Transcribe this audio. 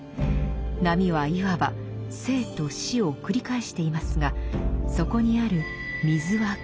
波はいわば生と死を繰り返していますがそこにある水は変わりません。